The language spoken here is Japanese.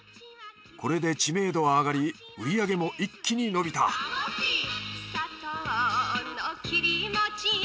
これで知名度は上がり売り上げも一気に伸びた「サトウの切りもち」